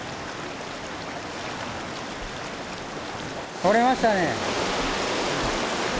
とれましたね。